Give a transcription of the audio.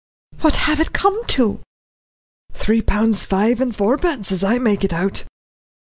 "What have it come to?" "Three pounds five and fourpence, as I make it out."